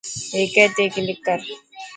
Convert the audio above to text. هيڪي تي ڪلڪ ڪر.